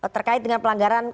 terkait dengan pelanggaran